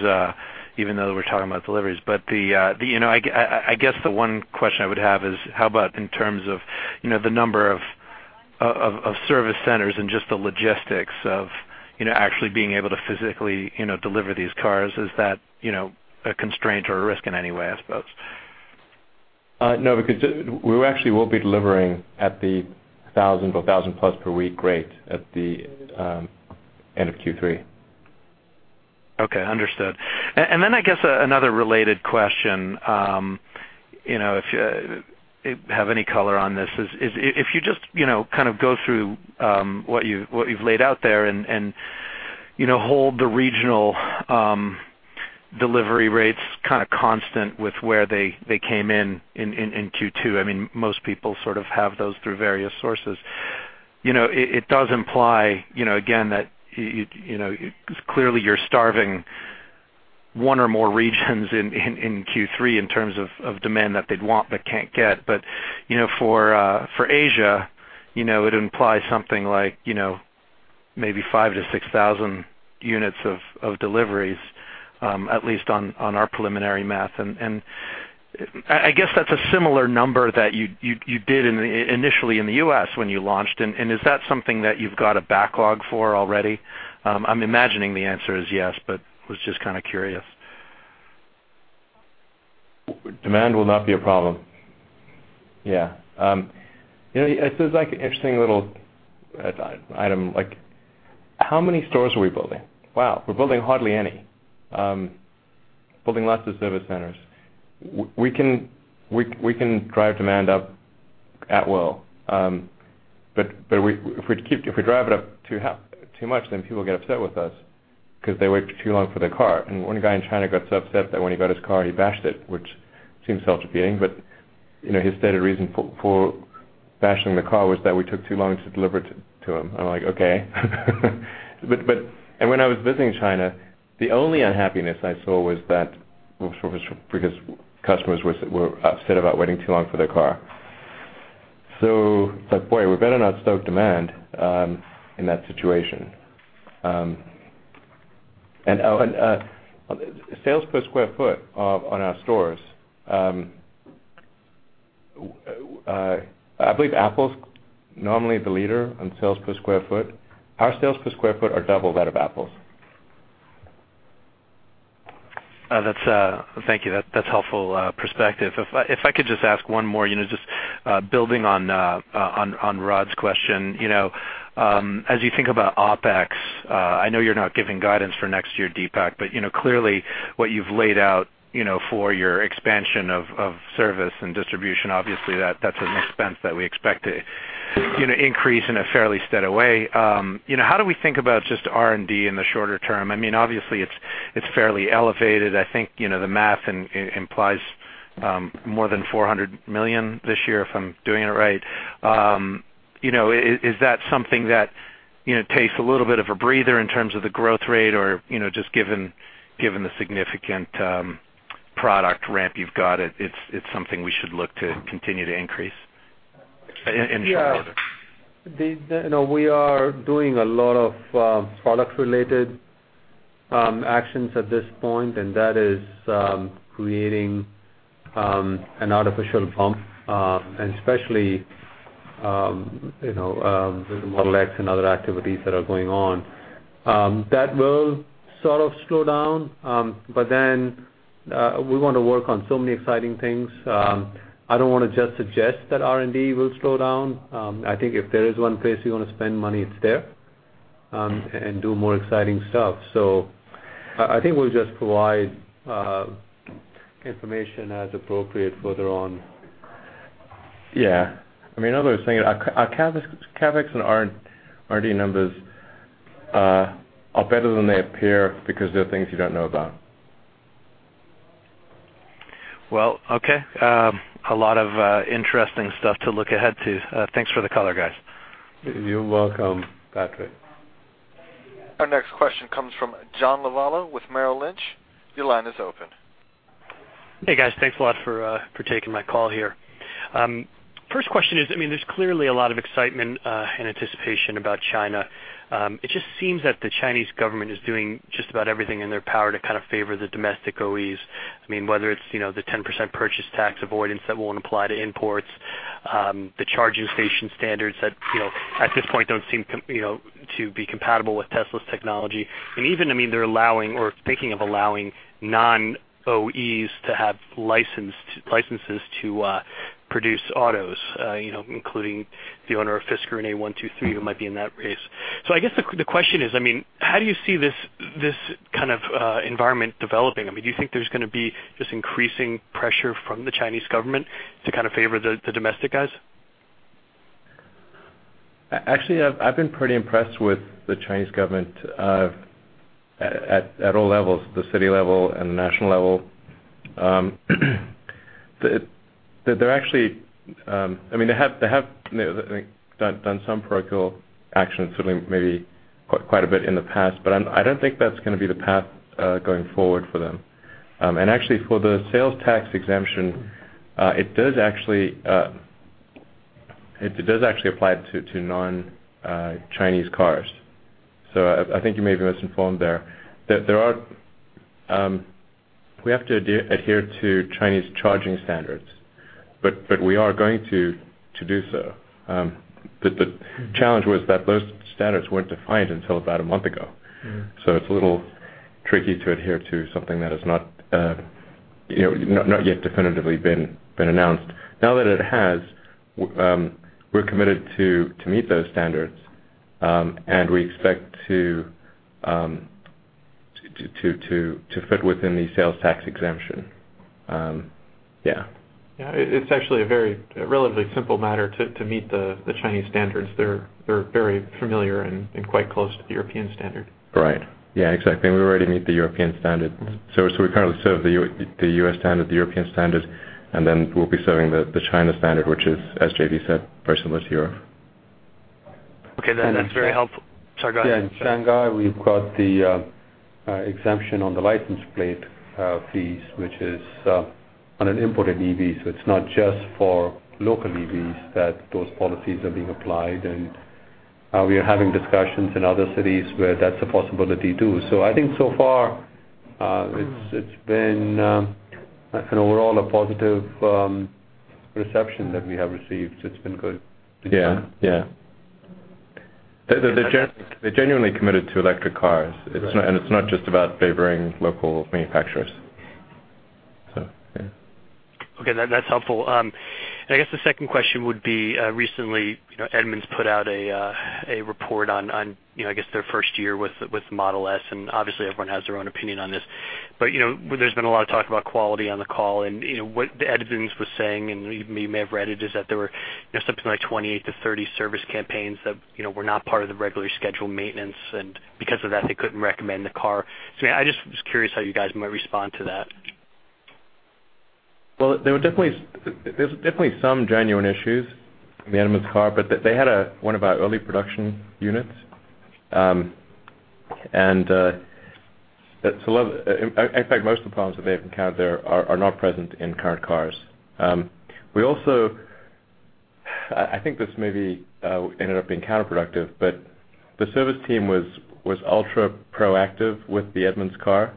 even though we're talking about deliveries. I guess the one question I would have is how about in terms of Of service centers and just the logistics of actually being able to physically deliver these cars. Is that a constraint or a risk in any way, I suppose? No, because we actually will be delivering at the 1,000 to 1,000 plus per week rate at the end of Q3. Okay, understood. Then I guess another related question, if you have any color on this is, if you just go through what you've laid out there and hold the regional delivery rates constant with where they came in in Q2. Most people sort of have those through various sources. It does imply, again, that clearly you're starving one or more regions in Q3 in terms of demand that they'd want, but can't get. For Asia, it implies something like maybe 5,000 to 6,000 units of deliveries, at least on our preliminary math. I guess that's a similar number that you did initially in the U.S. when you launched. Is that something that you've got a backlog for already? I'm imagining the answer is yes, but was just kind of curious. Demand will not be a problem. Yeah. There's an interesting little item, like how many stores are we building? Wow, we're building hardly any. Building lots of service centers. We can drive demand up at will. If we drive it up too much, then people get upset with us because they wait too long for their car. One guy in China got so upset that when he got his car, he bashed it, which seems self-defeating, but his stated reason for bashing the car was that we took too long to deliver it to him. I'm like, "Okay." When I was visiting China, the only unhappiness I saw was because customers were upset about waiting too long for their car. It's like, boy, we better not stoke demand in that situation. Sales per square foot on our stores, I believe Apple's normally the leader on sales per square foot. Our sales per square foot are double that of Apple's. Thank you. That's helpful perspective. If I could just ask one more, just building on Rod's question. As you think about OpEx, I know you're not giving guidance for next year, Deepak, but clearly what you've laid out for your expansion of service and distribution, obviously that's an expense that we expect to increase in a fairly steady way. How do we think about just R&D in the shorter term? Obviously it's fairly elevated. I think the math implies more than $400 million this year, if I'm doing it right. Is that something that takes a little bit of a breather in terms of the growth rate, or just given the significant product ramp you've got, it's something we should look to continue to increase in short order? We are doing a lot of product-related actions at this point, and that is creating an artificial bump, and especially with Model X and other activities that are going on. That will sort of slow down, but then we want to work on so many exciting things. I don't want to just suggest that R&D will slow down. I think if there is one place you want to spend money, it's there, and do more exciting stuff. I think we'll just provide information as appropriate further on. Yeah. In other words, our CapEx and R&D numbers are better than they appear because there are things you don't know about. Well, okay. A lot of interesting stuff to look ahead to. Thanks for the color, guys. You're welcome, Patrick. Our next question comes from John Lovallo with Merrill Lynch. Your line is open. Hey, guys. Thanks a lot for taking my call here. First question is, there's clearly a lot of excitement and anticipation about China. It just seems that the Chinese government is doing just about everything in their power to kind of favor the domestic OEs. Whether it's the 10% purchase tax avoidance that won't apply to imports, the charging station standards that, at this point, don't seem to be compatible with Tesla's technology. Even they're allowing or thinking of allowing non-OEs to have licenses to produce autos, including the owner of Fisker and A123, who might be in that race. I guess the question is how do you see this kind of environment developing? Do you think there's going to be just increasing pressure from the Chinese government to kind of favor the domestic guys? Actually, I've been pretty impressed with the Chinese government at all levels, the city level and the national level. They have done some protectional actions, certainly maybe quite a bit in the past. I don't think that's going to be the path going forward for them. Actually for the sales tax exemption, it does actually apply to non-Chinese cars. I think you may be misinformed there. We have to adhere to Chinese charging standards. We are going to do so. The challenge was that those standards weren't defined until about a month ago. It's a little tricky to adhere to something that has not yet definitively been announced. Now that it has, we're committed to meet those standards, and we expect to fit within the sales tax exemption. Yeah. Yeah. It's actually a very relatively simple matter to meet the Chinese standards. They're very familiar and quite close to the European standard. Right. Yeah, exactly. We already meet the European standard. We kind of serve the U.S. standard, the European standard, and then we'll be serving the China standard, which is, as JB said, very similar to Europe. Okay. That's very helpful. Sorry, go ahead. Yeah, in Shanghai, we've got the exemption on the license plate fees, which is on an imported EV. It's not just for local EVs that those policies are being applied, we are having discussions in other cities where that's a possibility, too. I think so far, it's been overall a positive reception that we have received. It's been good. Yeah. They're genuinely committed to electric cars. Right. It's not just about favoring local manufacturers. Yeah. Okay. That's helpful. I guess the second question would be, recently, Edmunds put out a report on I guess their first year with the Model S, and obviously everyone has their own opinion on this, but there's been a lot of talk about quality on the call, and what Edmunds was saying, and you may have read it, is that there were something like 28-30 service campaigns that were not part of the regular scheduled maintenance, and because of that, they couldn't recommend the car. Yeah, I just was curious how you guys might respond to that. Well, there's definitely some genuine issues in the Edmunds car, but they had one of our early production units. In fact, most of the problems that they've encountered there are not present in current cars. We also, I think this maybe ended up being counterproductive, but the service team was ultra proactive with the Edmunds car.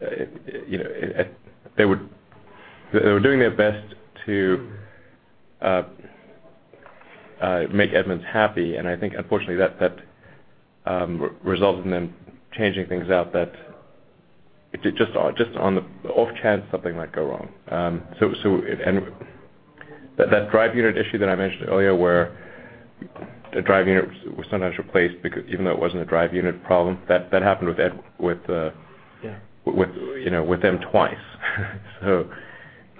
They were doing their best to make Edmunds happy, and I think unfortunately, that resulted in them changing things out that, just on the off chance something might go wrong. That drive unit issue that I mentioned earlier where the drive unit was sometimes replaced, even though it wasn't a drive unit problem, that happened with them twice. It's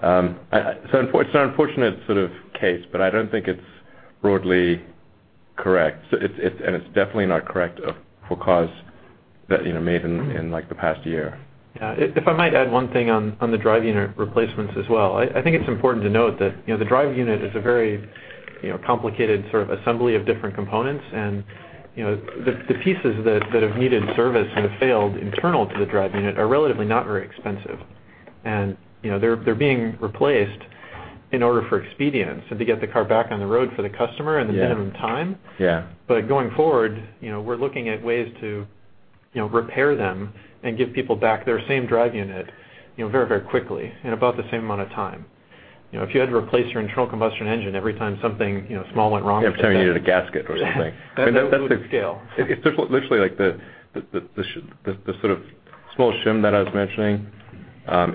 an unfortunate sort of case, but I don't think it's broadly correct. It's definitely not correct for cars made in the past year. Yeah. If I might add one thing on the drive unit replacements as well. I think it's important to note that the drive unit is a very complicated sort of assembly of different components and the pieces that have needed service and have failed internal to the drive unit are relatively not very expensive. They're being replaced in order for expedience and to get the car back on the road for the customer- Yeah in the minimum time. Yeah. Going forward, we're looking at ways to repair them and give people back their same drive unit very quickly, in about the same amount of time. If you had to replace your internal combustion engine every time something small went wrong with it- Yeah, if you needed a gasket or something. That would scale. It's literally like the sort of small shim that I was mentioning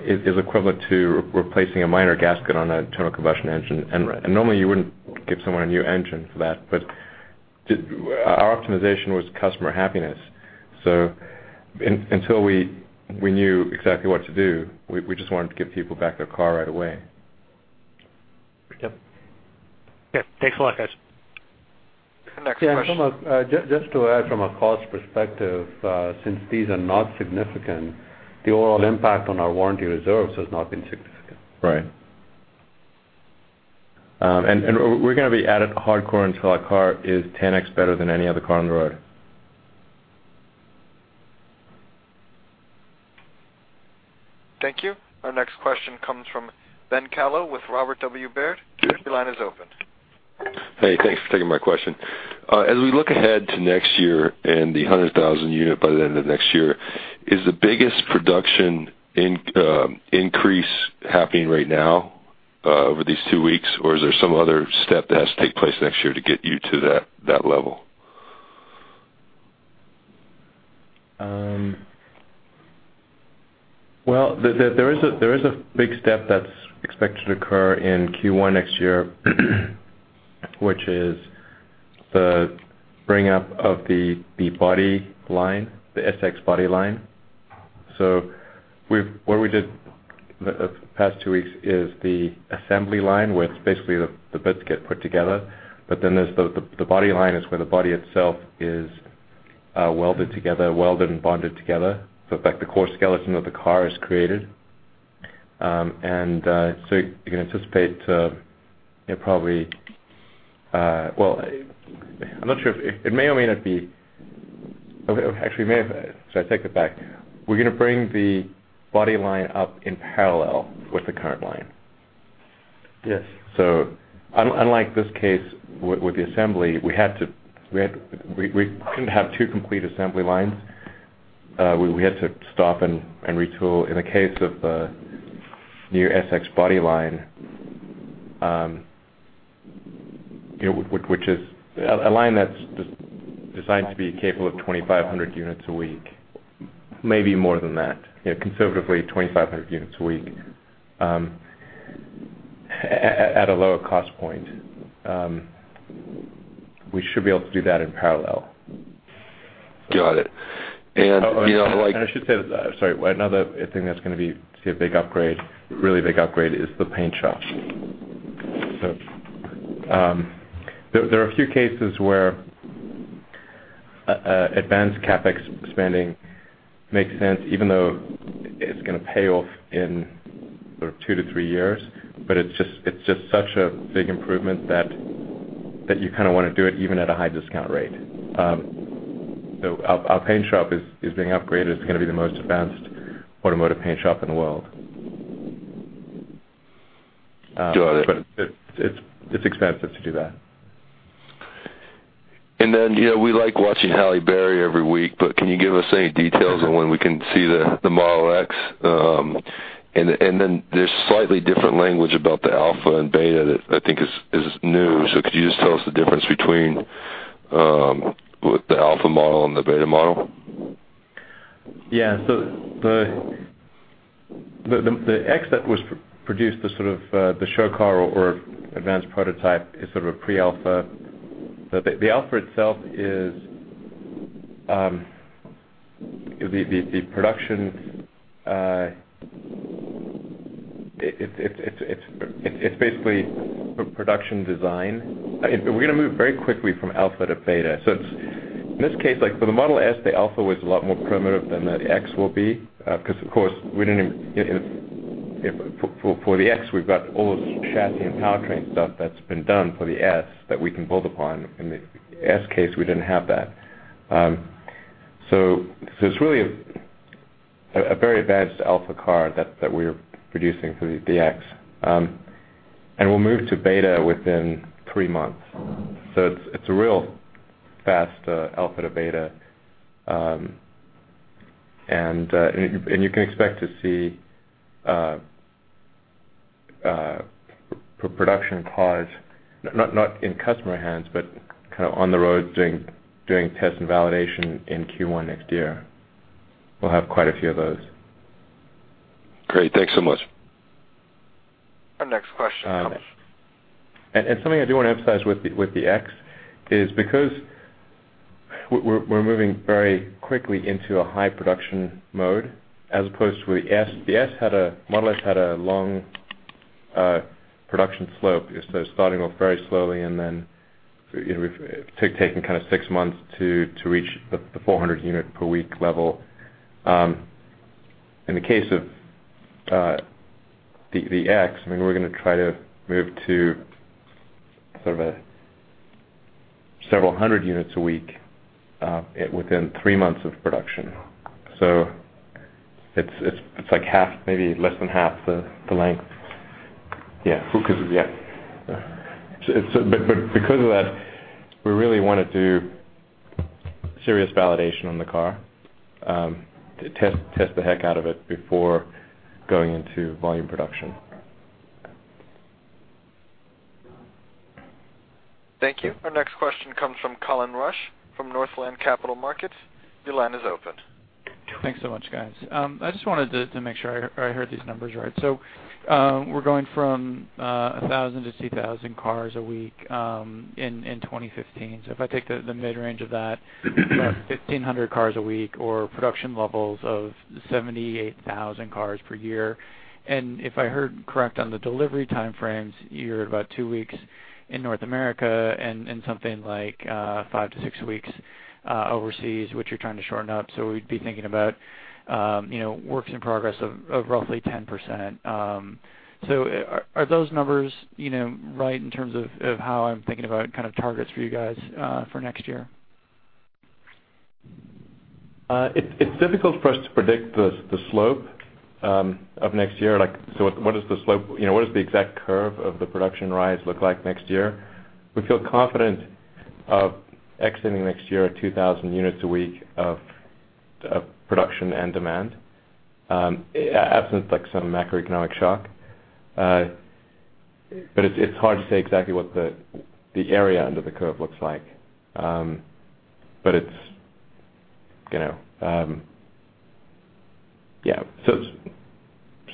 is equivalent to replacing a minor gasket on an internal combustion engine. Right. Normally, you wouldn't give someone a new engine for that, but our optimization was customer happiness. Until we knew exactly what to do, we just wanted to give people back their car right away. Yep. Yeah. Thanks a lot, guys. Next question. Yeah. Just to add from a cost perspective, since these are not significant, the overall impact on our warranty reserves has not been significant. Right. We're going to be at it hardcore until our car is 10x better than any other car on the road. Thank you. Our next question comes from Ben Kallo with Robert W. Baird. Your line is open. Thanks for taking my question. As we look ahead to next year and the 100,000 unit by the end of next year, is the biggest production increase happening right now over these two weeks? Is there some other step that has to take place next year to get you to that level? Well, there is a big step that's expected to occur in Q1 next year, which is the bring up of the body line, the S/X body line. What we did the past two weeks is the assembly line, where it's basically the bits get put together, the body line is where the body itself is welded and bonded together. In fact, the core skeleton of the car is created. You can anticipate probably Well, I'm not sure. It may or may not be. Actually, it may. I take that back. We're going to bring the body line up in parallel with the current line. Yes. Unlike this case with the assembly, we couldn't have two complete assembly lines. We had to stop and retool. In the case of the new S/X body line, which is a line that's designed to be capable of 2,500 units a week, maybe more than that, conservatively 2,500 units a week, at a lower cost point. We should be able to do that in parallel. Got it. I should say, sorry, another thing that's going to be a big upgrade, really big upgrade, is the paint shop. There are a few cases where advanced CapEx spending makes sense, even though it's going to pay off in two to three years. It's just such a big improvement that you kind of want to do it even at a high discount rate. Our paint shop is being upgraded. It's going to be the most advanced automotive paint shop in the world. Got it. It's expensive to do that. We like watching Halle Berry every week, can you give us any details on when we can see the Model X? There's slightly different language about the alpha and beta that I think is new. Could you just tell us the difference between the alpha model and the beta model? Yeah. The Model X that was produced, the sort of the show car or advanced prototype, is sort of a pre-alpha. The alpha itself is the production. It's basically production design. We're going to move very quickly from alpha to beta. In this case, like for the Model S, the alpha was a lot more primitive than the Model X will be because, of course, for the Model X, we've got all this chassis and powertrain stuff that's been done for the Model S that we can build upon. In the Model S case, we didn't have that. It's really a very advanced alpha car that we're producing through the Model X. We'll move to beta within three months. It's a real fast alpha to beta. You can expect to see production cars, not in customer hands, but kind of on the road doing tests and validation in Q1 next year. We'll have quite a few of those. Great. Thanks so much. Our next question comes- Something I do want to emphasize with the Model X is because we're moving very quickly into a high production mode as opposed to the Model S. The Model S had a long production slope. Starting off very slowly and then taking kind of 6 months to reach the 400-unit per week level. In the case of the Model X, we're going to try to move to sort of a several hundred units a week within 3 months of production. It's like half, maybe less than half the length. Because of that, we really want to do serious validation on the car, test the heck out of it before going into volume production. Thank you. Our next question comes from Colin Rusch from Northland Capital Markets. Your line is open. Thanks so much, guys. I just wanted to make sure I heard these numbers right. We're going from 1,000 to 2,000 cars a week in 2015. If I take the mid-range of that- about 1,500 cars a week or production levels of 78,000 cars per year. If I heard correct on the delivery time frames, you're about 2 weeks in North America and something like 5 to 6 weeks overseas, which you're trying to shorten up. We'd be thinking about works in progress of roughly 10%. Are those numbers right in terms of how I'm thinking about kind of targets for you guys for next year? It's difficult for us to predict the slope of next year. What is the exact curve of the production rise look like next year? We feel confident of exiting next year at 2,000 units a week of production and demand, absent some macroeconomic shock. It's hard to say exactly what the area under the curve looks like. It's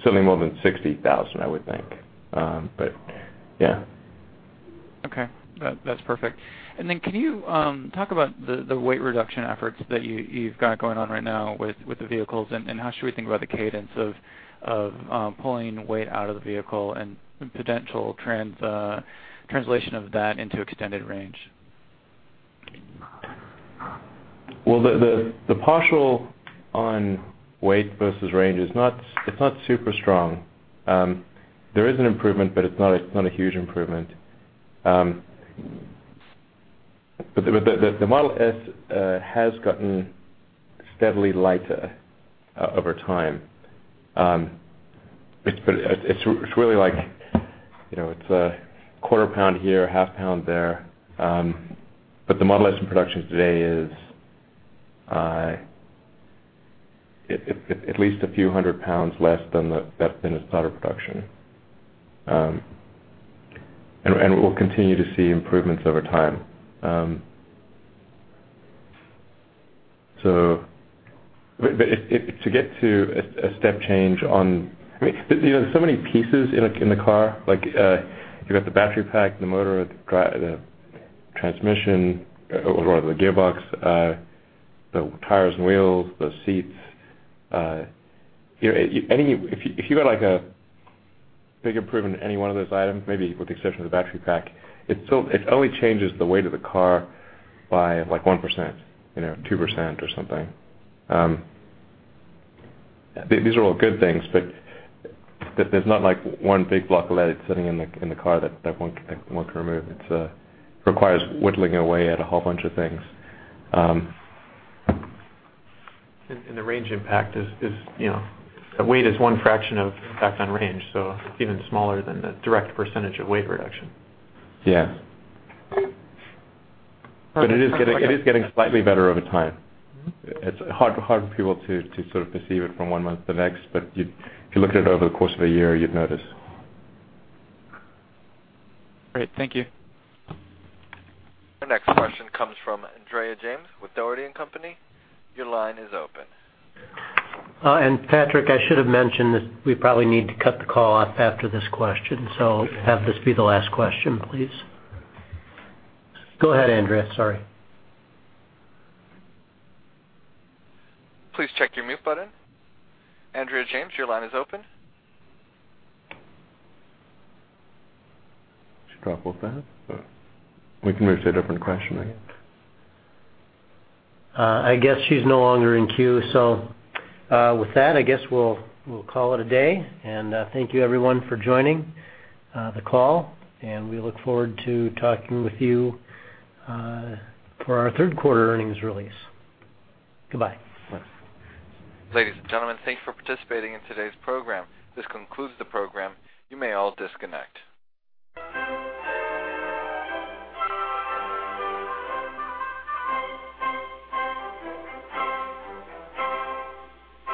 certainly more than 60,000, I would think. Okay. That's perfect. Can you talk about the weight reduction efforts that you've got going on right now with the vehicles, and how should we think about the cadence of pulling weight out of the vehicle and potential translation of that into extended range? Well, the partial on weight versus range, it's not super strong. There is an improvement, but it's not a huge improvement. The Model S has gotten steadily lighter over time. It's really like a quarter pound here, half pound there. The Model S in production today is at least a few hundred pounds less than that that's in the starter production. We'll continue to see improvements over time. To get to a step change, there's so many pieces in the car. You've got the battery pack, the motor, the transmission or the gearbox, the tires and wheels, the seats. If you had a big improvement in any one of those items, maybe with the exception of the battery pack, it only changes the weight of the car by 1%, 2% or something. These are all good things, but there's not one big block of lead sitting in the car that one can remove. It requires whittling away at a whole bunch of things. The range impact is, weight is one fraction of impact on range, so it's even smaller than the direct % of weight reduction. Yes. It is getting slightly better over time. It is hard for people to perceive it from one month to the next, but if you look at it over the course of a year, you would notice. Great. Thank you. Our next question comes from Andrea James with Dougherty & Company. Your line is open. Patrick, I should have mentioned that we probably need to cut the call off after this question, so have this be the last question, please. Go ahead, Andrea. Sorry. Please check your mute button. Andrea James, your line is open. She dropped off then? We can move to a different question, I guess. I guess she's no longer in queue. With that, I guess we'll call it a day. Thank you, everyone, for joining the call, and we look forward to talking with you for our third quarter earnings release. Goodbye. Thanks. Ladies and gentlemen, thank you for participating in today's program. This concludes the program. You may all disconnect.